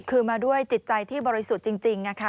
คือมาด้วยจิตใจที่บริสุทธิ์จริง